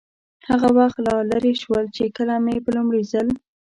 هغه وخت لا لرې شول، چې کله مې په لومړي ځل.